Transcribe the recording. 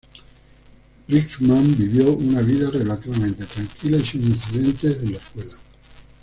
Bridgman vivió una vida relativamente tranquila y sin incidentes en la escuela.